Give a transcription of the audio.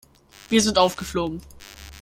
Wir sind aufgeflogen.